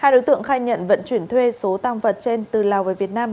hai đối tượng khai nhận vận chuyển thuê số tăng vật trên từ lào về việt nam